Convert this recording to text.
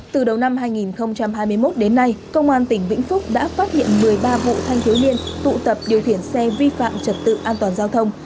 từ đầu năm hai nghìn hai mươi một đến nay công an tỉnh vĩnh phúc đã phát hiện một mươi ba vụ thanh thiếu niên tụ tập điều khiển xe vi phạm trật tự an toàn giao thông